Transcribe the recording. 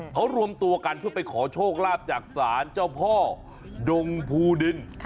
เขารวมตัวกันเพื่อไปขอโชคลาภจากศาลเจ้าพ่อดงภูดิน